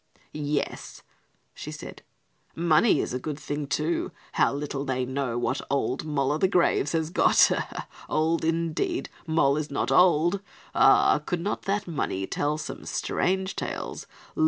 "Yes," she said, "money is a good thing, too. How little they know what 'old Moll o' the graves' has got, old, indeed, Moll is not old! Ah, could not that money tell some strange tales?